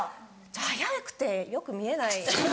早くてよく見えない。